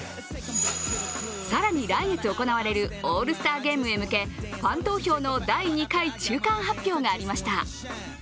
更に、来月行われるオールスターゲームへ向けファン投票の第２回中間発表がありました。